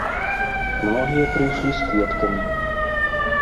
Многія прыйшлі з кветкамі.